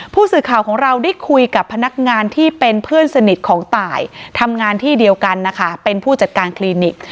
ผู้สื่อข่าวของเราได้คุยกับพนักงานที่เป็นเพื่อนสนิทของตายทำงานที่เดียวกันนะคะเป็นผู้จัดการคลินิก